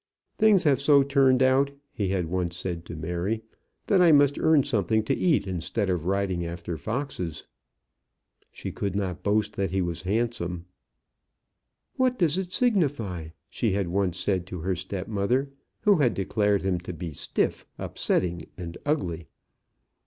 "Things have so turned out," he had once said to Mary, "that I must earn something to eat instead of riding after foxes." She could not boast that he was handsome. "What does it signify?" she had once said to her step mother, who had declared him to be stiff, upsetting, and ugly.